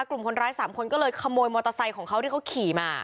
กลุ่มคนร้าย๓คนก็เลยขโมยมอเตอร์ไซค์ของเขาที่เขาขี่มา